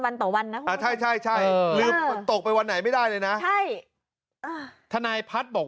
วันต่อวันนะคุณใช่ใช่ลืมตกไปวันไหนไม่ได้เลยนะใช่ทนายพัฒน์บอก